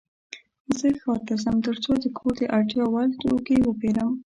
زه ښار ته ځم ترڅو د کور د اړتیا وړ توکې وپيرم.